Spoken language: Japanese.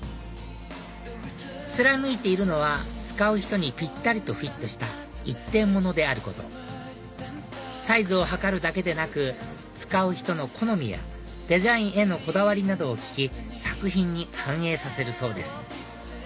貫いているのは使う人にぴったりとフィットした一点物であることサイズを測るだけでなく使う人の好みやデザインへのこだわりなどを聞き作品に反映させるそうです